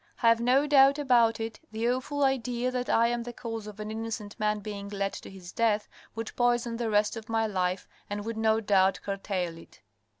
Have no doubt about it, the awful idea that I am the cause of an innocent man being led to his death would poison the rest of my life and would no doubt curtail it.